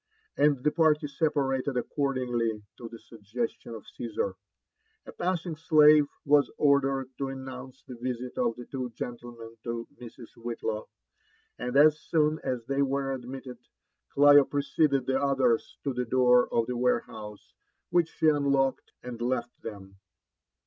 And the parly separated according to the sug gestion of Oaesar. A passing slave was ordered to announce the visit of the two gentlemen to Mrs. Whitlaw ; and as soon as they were ad mitted, Clio preceded the others to the door of the warehouse, which i»he unlocked, and left them.